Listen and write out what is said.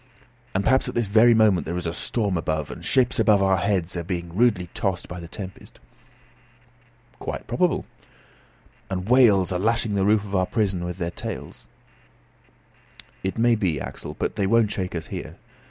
"And perhaps at this very moment there is a storm above, and ships over our heads are being rudely tossed by the tempest." "Quite probable." "And whales are lashing the roof of our prison with their tails?" "It may be, Axel, but they won't shake us here.